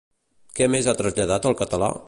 Què més ha traslladat al català?